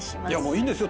いいんですよ